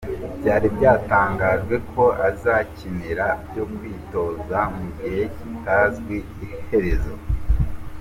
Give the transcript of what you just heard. Byari byatangajwe ko azayikinira "byo kwitoza mu gihe kitazwi iherezo".